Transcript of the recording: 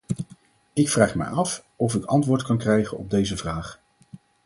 Ik vraag mij af of ik antwoord kan krijgen op deze vraag.